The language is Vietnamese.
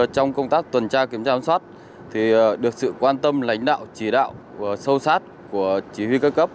trong công tác tuần tra kiểm soát được sự quan tâm lãnh đạo chỉ đạo sâu sát của chỉ huy ca cấp